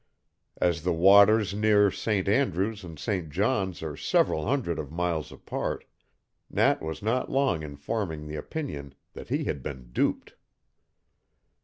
As the waters near St. Andrew's and St. John's are several hundreds of miles apart, Nat was not long in forming the opinion that he had been duped.